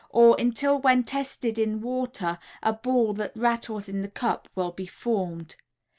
or, until when tested in water a ball that rattles in the cup will be formed.